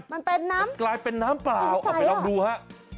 มันเป็นน้ำกลายเป็นน้ำเปล่าเอาไปลองดูฮะ